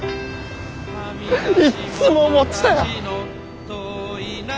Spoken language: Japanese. いっつも思ってたよ！